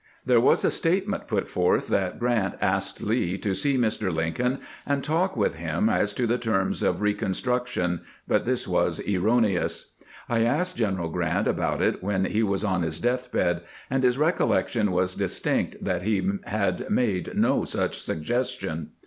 There was a state ment put forth that Grant asked Lee to see Mr. Lincoln and talk with him as to the terms of reconstruction, but this was erroneous. I asked General Grant about it when he was on his death bed, and his recollection was distinct that he had made no such suggestion.